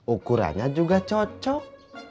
ukurannya juga cocok